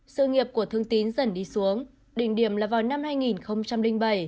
sự nghiệp của thương tín dần đi xuống đỉnh điểm là vào năm hai nghìn bảy